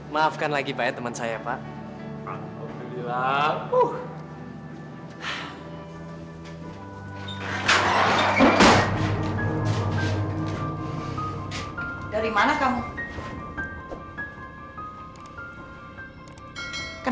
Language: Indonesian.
maafkan lagi banyak teman saya pak